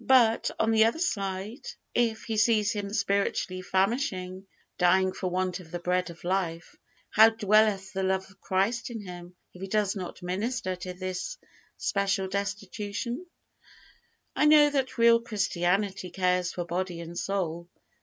But, on the other side, if he sees him spiritually famishing dying for want of the bread of life how dwelleth the love of Christ in him, if he does not minister to this spiritual destitution? I know that real Christianity cares for body and soul.